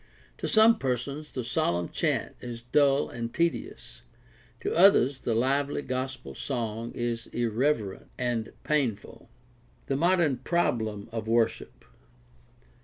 To some persons the solemn chant is dull and tedious; to others the lively gospel song is irreverent and painful. The modem problem of worship.